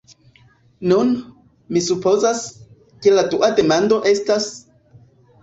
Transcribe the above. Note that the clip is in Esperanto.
Nun, mi supozas, ke la dua demando estas: